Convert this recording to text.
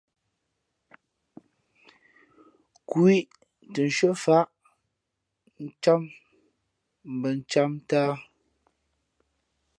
Kweʼ ī tα nshʉ́ά faʼá ncām mbα ncām ntāā.